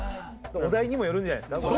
お題にもよるんじゃないですか？